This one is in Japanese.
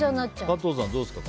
加藤さん、どうですか？